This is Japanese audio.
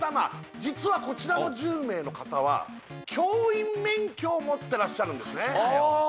実はこちらの１０名の方は教員免許を持ってらっしゃるんですね